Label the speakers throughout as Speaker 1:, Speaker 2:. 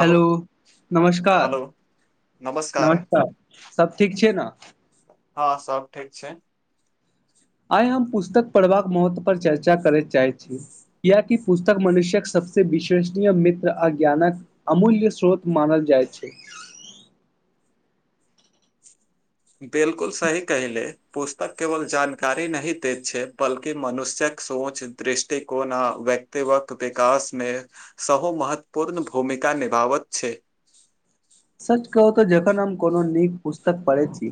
Speaker 1: Hello नमस्कार
Speaker 2: hello
Speaker 1: नमस्कार सभ ठीक छै ने।
Speaker 2: हँ सब ठीक छै।
Speaker 1: आइ हम पुस्तक पढ़बाक महत्व पर चर्चा करै चाहै छियै कियाकि पुस्तक मनुष्यक सबसे विश्वसनीय मित्र आ ज्ञानक अमूल्य स्रोत मानल जाइ छै।
Speaker 2: बिलकुल सही कहि ले पुस्तक केवल जानकारी नहि दैत छै बल्कि मनुष्यक सोच दृष्टिकोण आ व्यक्ति्वत विकासमे सहो महत्वपूर्ण भूमिका निभावत छै।
Speaker 1: सच कहू तऽ जखन हम कोनो नीक पुस्तक पढ़ै छी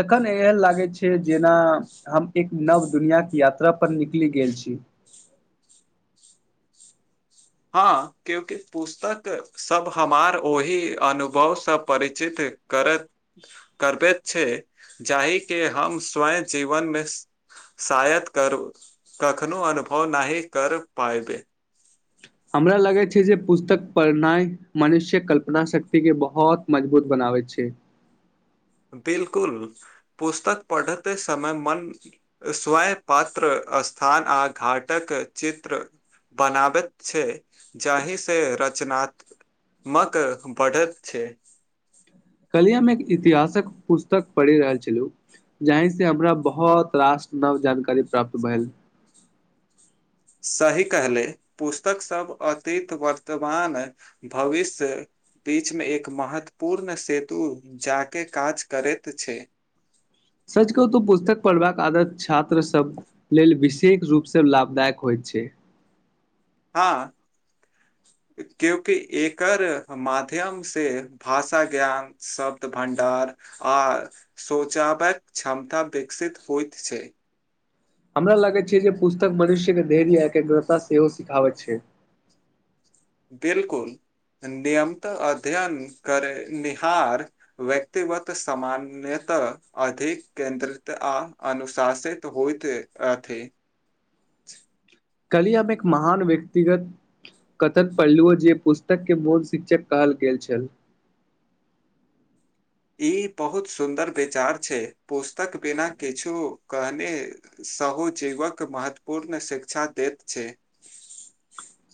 Speaker 1: तखन एहन लागै छै जेना हम एक नव दुनिआके यात्रापर निकलि गेल छी।
Speaker 2: हँ क्यूकि पुस्तक सब हमार ओहि अनुभवसँ परिचित करैत करबैत छै जाहिके हम स्वयं जीवनमे शायत कर कखनो अनुभव नहि कर पायबै।
Speaker 1: हमरा लगै छै जे पुस्तक पढ़नाइ मनुष्य कल्पना शक्तिके बहुत मजबूत बनाबै छै।
Speaker 2: बिलकुल पुस्तक पढ़ैत समय मन स्वयं पात्र स्थान आ घाटक चित्र बनाबैत छै जाहिसँ रचनात्मक बढ़ैत छै।
Speaker 1: कलियामे एक इतिहासक पुस्तक पढ़ि रहल छलहु जाहि से हमरा बहुत रास नव जानकारी प्राप्त भेल।
Speaker 2: सही कहले पुस्तकसभ अतीत वर्तमान भविष्य बीचमे एक महत्वपूर्ण सेतु जााकऽ काज करैत छै।
Speaker 1: सच कहू त पुस्तक पढ़बाक आदत छात्र सभ लेल विशेष रूपसँ लाभदायक होइत छै।
Speaker 2: हँ क्यंकि एकर माध्यम से भाषा ज्ञान शब्द भं्डार आ सोचावक क्षमता विकसित होइत छै।
Speaker 1: हमरा लागै छै जे। पुस्तक मनुष्यके धैर्य एकाग्रता सेहो सिखाबैत छै।
Speaker 2: बिलकुल नियमित अध्ययन करेनिहार व्यक्तिगत सामान्यतः अधिक केन्द्रित आ अनुशासित होइत अछि।
Speaker 1: कल ही हम एक महान व्यक्तिगत कथक पढ़लहुँ जे पुस्तकके मूल शिक्षक कहल गेल छल।
Speaker 2: ई बहुत सुन्दर विचार छै पुस। तक बिना किछु। कने सहो जीवक महत्वपूर्ण शिक्षा देैत छै।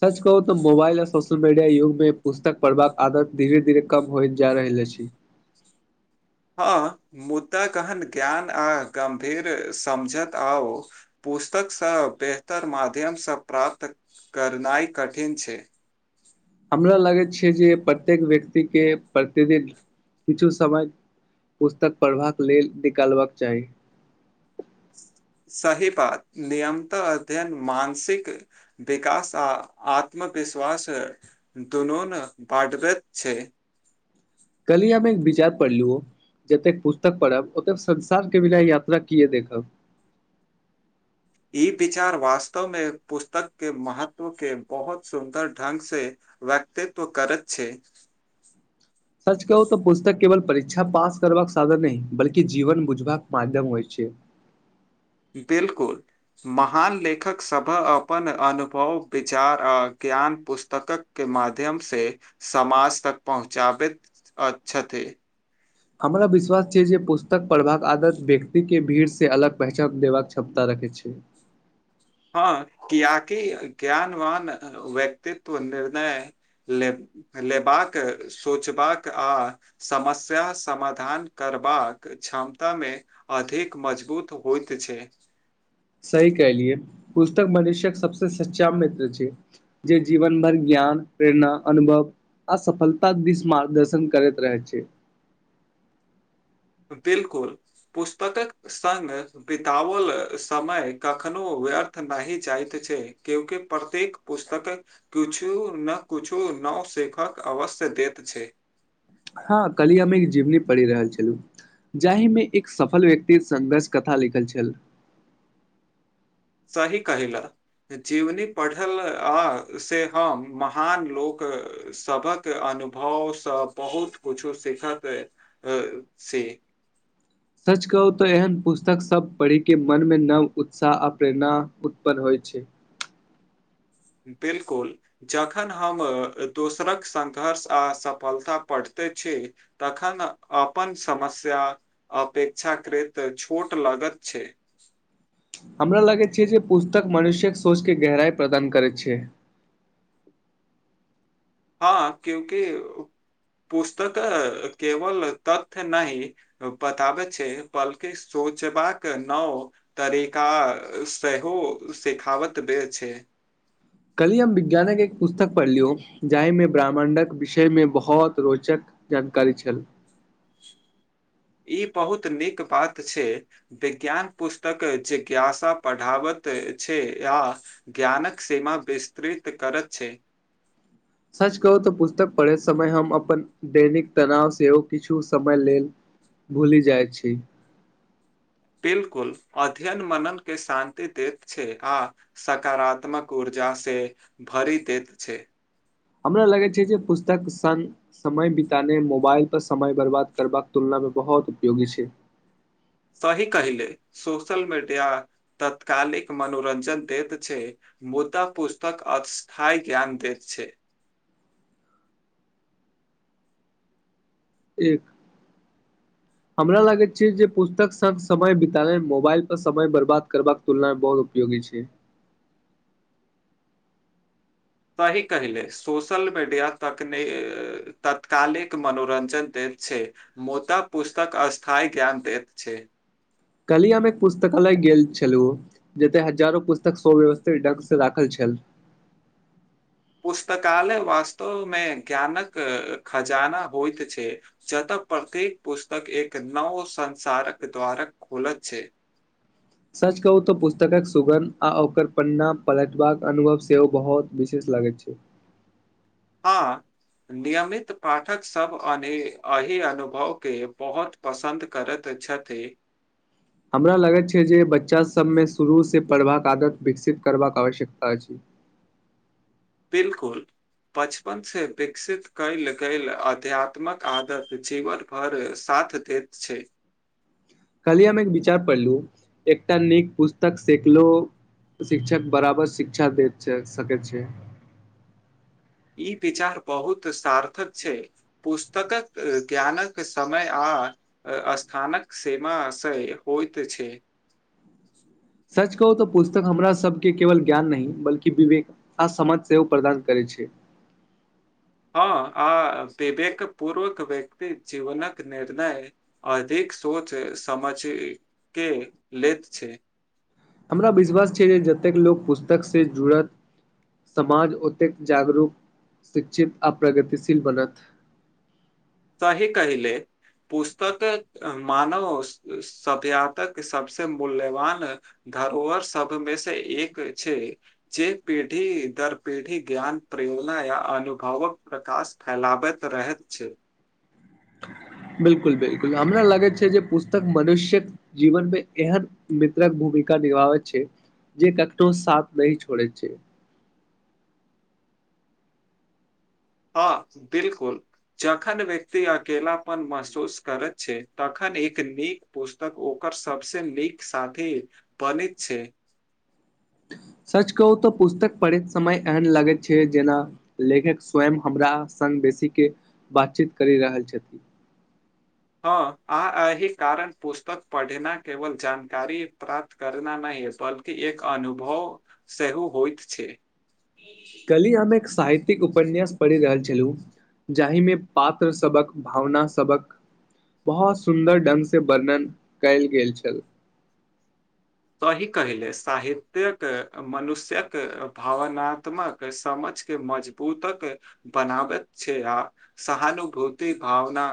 Speaker 1: सच कहू मोबाइल आ सोशल मीडिया युग मे पुस्तक पढ़बाक आदत धीरे धीरे कम होइत जा रहल अछि।
Speaker 2: हँ मुद्दा गहन ज्ञान आ गम्भीर समझत आओर पुस्तकसँ बेहतर माध्यमसँ प्राप्त करनाइ कठिन छै।
Speaker 1: हमरा लगैत छै जे प्रत्येक व्यक्तिके प्रतिदिन किछु समय पुस्तक पढ़बाक लेल निकालबाक चाही।
Speaker 2: सही बात नियमतः अध्ययन मानसिक विकास आ आत्मविश्वास दुनून बढ़बैत छै।
Speaker 1: कल ही हम एक विचार पढ़लु जतेक पुस्तक पढ़ब ओतेक संसार के बिना यात्रा किए देखब।
Speaker 2: ई विचार वास्तवमे पुस्तक के महत्व के बहुत सुन्दर ढंग से व्यक्तित्व करैत छै।
Speaker 1: सच कहू त पुस्तक। केवल परीक्षा पास करबाक साधन नहि बल्कि जीवन बुझबाक माध्यम होइ छै।
Speaker 2: बिलकुल महान लेखक सभ अपन अनुभव विचार आ ज्ञान पुस्तकक के माध्यम से समाज तक पहुँचाबैत छथि।
Speaker 1: हमरा विश्वास छै जे पुस्तक पढ़बाक आदत व्यक्तिके भीड़सँ अलग पहचान देबाक क्षमता रखैत छै।
Speaker 2: किएकि ज्ञानवान व्यक्तित्व निर्णय ले लेबाक सोचबाक आ समस्या समाधान करबाक क्षमता मे अधिक मजबूत होइत छै।
Speaker 1: सही कलियै पुस्तक मनुष्य्यक सबस सच्चा मित्र छै जे जीवन भरि ज्ञान प्रेरणा अनुभव अ सफलता दिस मार्गदर्शन करैत रहै छै।
Speaker 2: बिल्कुल पुस्तकक संग बितावल समय कखनो व्यर्थ नहि जाइत छै केहु के प्रत्येक पुस्तकक किछु न किछु नव सीखक अवश्य देैत छै।
Speaker 1: हां कल्हि हम एक जीवनी पढ़ि रहल छलु जाहिमे एक सफल व्यक्ति संघर्ष कथा लिखल छल।
Speaker 2: सही कहे लै जीवनी पढ़ल आ से हम महान लोक सभक अनुभवसे बहुत कुछो सिखत अ छी।
Speaker 1: सच कहू तऽ एहन पुस्तक सब पढ़िके मनमे नव उत्साह आ प्रेरणा उत्पन्न होइ छै।
Speaker 2: बिल्कुल जखन हम दोसरक संघर्ष आ सफलता पढ़िते छी तखन अपन समस्या अपेक्षाकृत छोट लगैत छै।
Speaker 1: हमरा लागै छै जे पुस्तक मनुष्यक सोचके गहराई प्रदान करैत छै।
Speaker 2: हां क्यूंकि पुस्तक केवल तथ्य नहि बताबै छै बल्कि सोचबाक नव तरीका सेहो सिखावत दै छै।
Speaker 1: कल्हि हम विज्ञानक एक पुस्तक पढ़लियौ जाहिमे ब्राह्मण्डक विषयमे बहोत रोचक जानकारी छल।
Speaker 2: ई बहुत नीक बात छै विज्ञान पुस्तक जिज्ञासा पढ़ाबैत छै आ ज्ञानक सीमा विस्तृत करैत छै।
Speaker 1: सच कहू तऽ पुस्तक पढ़य समय हम अपन दैनिक तनाव सेहो किछु समय लेल भूलि जाइत छी।
Speaker 2: बिल्कुल अध्ययन मनन के शान्ति देैत छै आ सकारात्मक ऊर्जा से भरि देैत छै।
Speaker 1: हमरा लगै छै जे पुस्तक सन समय बितानाय मोबाइलपर समय बर्बाद करबाक तुलनामे बहोत उपयोगी छै।
Speaker 2: सही कहिले सोशल मीडिया तत्कालिक मनोरंजन दैत छै मुदा पुस्तक अस्थायी ज्ञान दै छै।
Speaker 1: एक हमरा लगैत छै जे पुस्तक संग समय बितानय मोबाइल पर समय बर्बाद करबाक तुलना में बहुत उपयोगी छै।
Speaker 2: सही कहेलै सोशल मीडिया तकनी अ तत्कालिक मनोरंजन दै छै मुदा पुस्तक स्थायी ज्ञान दैत छै।
Speaker 1: कल्हि हम एक पुस्तकालय गेल छलहुँ जतय हजारो पुस्तक सव्यवस्थित ढंग से राखल छल।
Speaker 2: पुस्तकालय वास्तवमे ज्ञानक खजाना होइत छै जतऽ प्रत्येक पुस्तक एक नव संसारक द्वारक खोलैत छै।
Speaker 1: सुगंध आ ओकर पन्ना पलटबाक अनुभव सेहो बहोत विशेष लागैत छै।
Speaker 2: आ नियमित पाठक सब एन एहि अनुभव के बहोत पसन्द करत छथि।
Speaker 1: हमरा लागैत छै जे बच्चा सब मे शुरू से पढ़बाक आदत विकसित करबाक आवश्यकता अछि।
Speaker 2: बिल्कुल बचपन से विकसित कैल गेल अध्यात्मक आदत जीवन भर साथ दैत छै।
Speaker 1: कल्हि हम एक विचार पढ़लु एकटा नीक पुस्तक सेकलो शिक्षक बराबर शिक्षा देत छै, सकै छै।
Speaker 2: ई विचार बहुत सार्थक छै पुस्तकक ज्ञानक समय आ स्थानक सीमा से होएत छै।
Speaker 1: सच कहू तो पुस्तक हमरा सबके केवल ज्ञान नहि बल्कि विवेक आ समाज सेहो प्रदान करै छै।
Speaker 2: हां आ विवेक पूर्वक व्यक्ति जीवनक निर्णय अधिक सोच समझ के लैत छै।
Speaker 1: हमरा विश्वास छै जे जतेक लोक पुस्तक से जुड़त समाज ओतेक जागरूक शिक्षित आ प्रगतिशील बनत
Speaker 2: सही कहिले पुस्तकें मानव स स सभ्यातक सबसे मूल्यवान धरोहर सबमें से एक छै जे पीढ़ी दर पीढ़ी ज्ञान प्रयोगना या अनुभवक प्रकाश फैलाबैत रहैत छै।
Speaker 1: बिल्कुल बिल्कुल हमरा लगे छै जे पुस्तक मनुष्यक जीवन मे एहन मित्रक भूमिका निभावै छै जे कखनो साथ नै छोड़े छै।
Speaker 2: हाँ बिल्कुल जखन व्यक्ति अकेलापन महसूस करत छै, तखन एक नीक पुस्तक ओकर सबसे नीक साथी बनैत छै।
Speaker 1: सच कहू तऽ पुस्तक पढ़ैत समय एहन लगैत छै जेना लेखक स्वयं हमरा संग बेसीके बात-चीत करि रहल छथि।
Speaker 2: अ आ एही कारण पुस्तक पढ़नाय केवल जानकारी प्राप्त करनाय नै या बल्कि एक अनुभव सेहो होएत छै।
Speaker 1: कल्हि हम एक स साहित्यिक उपन्यास पढ़ि रहल छलहु, जाहिमे पात्र सबक भावना सबक बहोत सुन्दर ढ़ंग से वर्णन कैल गेल छल।
Speaker 2: सही कहै लै साहित्यक मनुष्य्क भावनात्मक समझ के मजबूतक बनाबैत छै आ सहानुभूति भावना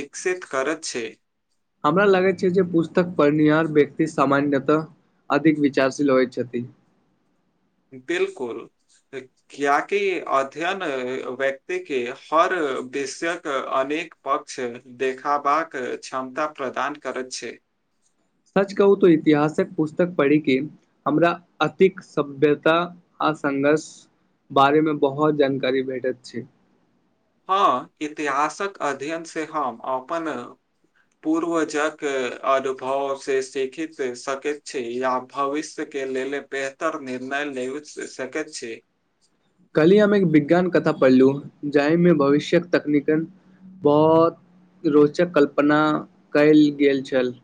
Speaker 2: विकसित करत छै।
Speaker 1: हमरा लागै छै जे पुस्तक पढ़निहार व्यक्ति सामान्यतः अधिक विचारशील होय छथि।
Speaker 2: बिल्कुल कियाकि अध्ययन व्यक्ति के हर विषयके अनेक पक्ष देखाबाक क्षमता प्रदान करत छै।
Speaker 1: सच कहू तो इतिहासक पुस्तक पढ़ि के हमरा अतिक सभ्यता आ संघर्ष बारे मे बहोत जानकारी भेटैत छै।
Speaker 2: हाँ इतिहासक अध्ययन से हम अपन पूर्वजक अनुभव से सीखित सकैत छी या भविष्य के लेल बेहतर निर्णय लेबैत स सकैत छी।
Speaker 1: कल्हि हम एक विज्ञान कथा पढ़लु जाहि मे भविष्यक तकनीकन बहोत रोचक कल्पना कैल गेल छल।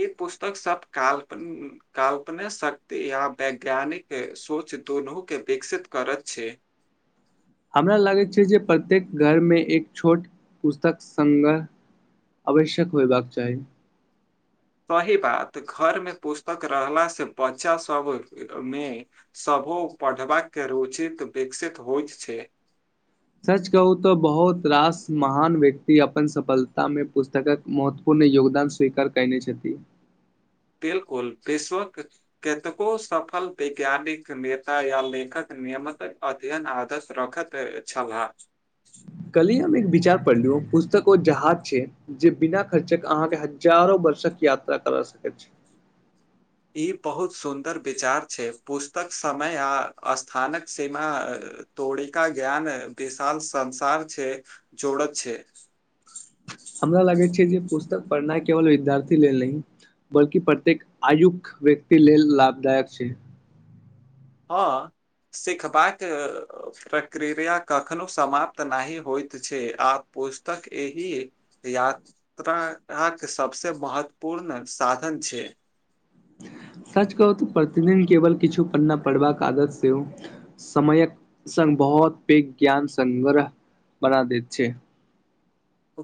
Speaker 2: ई पुस्तक सब काल्पन उम्म काल्पने शक्ति या वैज्ञानिक सोच दुनू के विकसित करत छै।
Speaker 1: हमरा लागैत छै जे प्रत्येक घरमे एक छोट पुस्तक संघा आवश्यक होयबाक चाही।
Speaker 2: सही बात घरमे पुस्तक रहला से बच्चा सबमे सबो पढ़बाक रुचित विकसित होएत छै।
Speaker 1: सच कहू तऽ बहुत रास महान व्यक्ति अपन सफलता मे पुस्तकक महत्वपूर्ण योगदान स्वीकार कएने छथि।
Speaker 2: बिल्कुल विश्वक कतेको सफल वैज्ञानिक, नेता या लेखक नियमक अध्ययन आदर्श रखत ए छलाह।
Speaker 1: कल्हि हम एक विचार पढ़लु पुस्तक ओ जहाज छै जे बिना खर्चक अहाँके हजारो वर्षक यात्रा करा सकैत छै।
Speaker 2: ई बहुत सुन्दर विचार छै, पुस्तक समय आ स्थानक सीमा तोड़ि का ज्ञान विशाल संसार छै, जोड़त छै।
Speaker 1: हमरा लागै छै जे पुस्तक पढ़नाय केवल विद्यार्थी लेल नहि बल्कि प्रत्येक आयुक व्यक्ति लेल लाभदायक छै।
Speaker 2: हाँ सिखबाक प्रक्रिया कखनो समाप्त नहि होएत छै आ पुस्तक एहि यात्राक सबसे महत्वपूर्ण साधन छै।
Speaker 1: सच कहू ते प्रतिदिन केवल किछु पन्ना पढ़बाक आदत सेहो समयक संग बहोत पैग ज्ञान संग्रह बना दैत छै।
Speaker 2: उ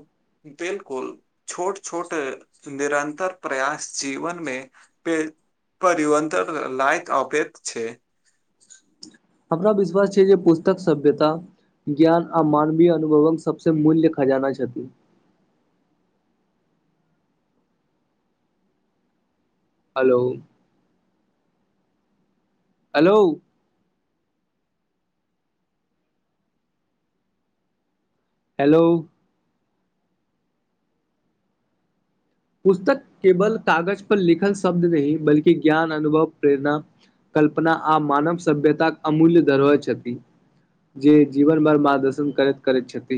Speaker 2: बिलकुल छोट-छोट निरन्तर प्रयास जीवन मे पे परिवर्तन लायक अबैत छै।
Speaker 1: हमरा विश्वास छै जे पुस्तक सभ्यता ज्ञान आ मानवीय अनुभवक सबसे मूल्य खजाना छथि। हलो। हलो। हेलो। पुस्तक केवल कागज पर लिखल शब्द नहि बल्कि ज्ञान, अनुभव, प्रेरणा, कल्पना आ मानव सभ्यताक अमूल्य धरोहर छथि जे जीवन भर मार्गदर्शन करत-करत छथि।